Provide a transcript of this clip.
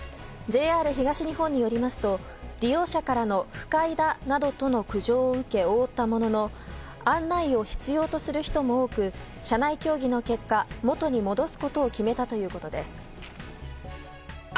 ＪＲ東日本によりますと利用者からの不快だなどとの苦情を受け覆ったものの案内を必要とする人も多く社内協議の結果元に戻すことを決めたということです。